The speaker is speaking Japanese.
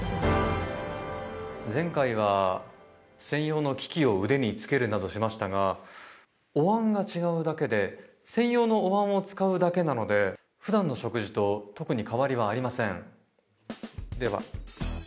前回は専用の機器を腕につけるなどしましたがおわんが違うだけで専用のおわんを使うだけなので普段の食事と特に変わりはありません。